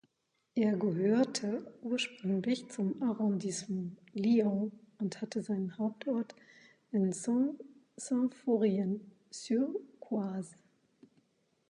Er gehörte ursprünglich zum Arrondissement Lyon und hatte seinen Hauptort in Saint-Symphorien-sur-Coise.